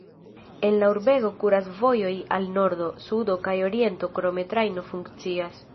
El la urbego kuras vojoj al nordo, sudo kaj oriento, krome trajno funkcias.